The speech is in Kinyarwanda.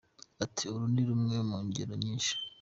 Ati "Uru ni rumwe mu ngero nyinshi.